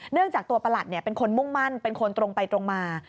จากตัวประหลัดเป็นคนมุ่งมั่นเป็นคนตรงไปตรงมา